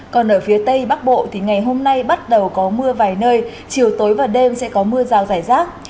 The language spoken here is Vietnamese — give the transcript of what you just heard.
còn ở phía tây bắc bộ thì ngày hôm nay bắt đầu có mưa vài nơi chiều tối và đêm sẽ có mưa rào rải rác